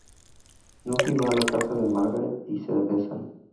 Nucky va a la casa de Margaret y se besan.